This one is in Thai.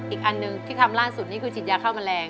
อีกอันหนึ่งที่ทำล่าสุดนี่คือฉีดยาฆ่าแมลง